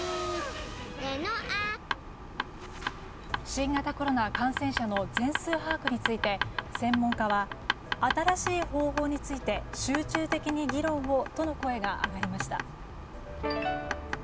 新型コロナ感染者の全数把握について専門家は新しい方法について集中的に議論をとの声が上がりました。